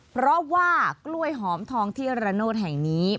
เพราะว่ากล้วยหอมทองที่ระโนธแห่งนี้